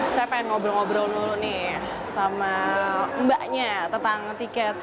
saya pengen ngobrol ngobrol dulu nih sama mbaknya tentang tiket